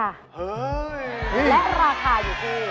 และราคาอยู่ที่๒๕บาท